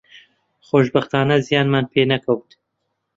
خۆشبەختانە زیانمان پێ نەکەوت